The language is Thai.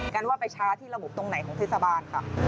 กันว่าไปช้าที่ระบบตรงไหนของเทศบาลค่ะ